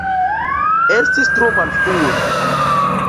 Estis tro malfrue.